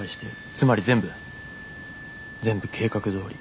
つまり全部全部計画どおり。